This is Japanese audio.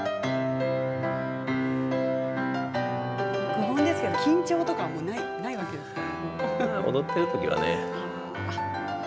愚問ですけれども緊張とかはないんですか？